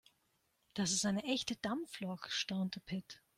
Das ist eine echte Dampflok, staunte Pit.